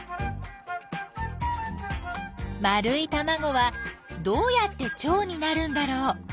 丸いたまごはどうやってチョウになるんだろう？